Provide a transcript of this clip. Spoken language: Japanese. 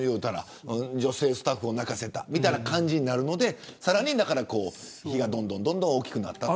女性スタッフを泣かせたみたいな感じになってるのでさらに火がどんどん大きくなった。